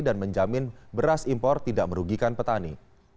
dan menjamin beras impor tidak merugikan petani